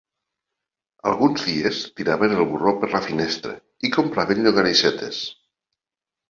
Alguns dies tiraven el burro per la finestra i compraven llonganissetes.